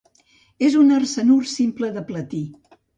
És un arsenur simple de platí.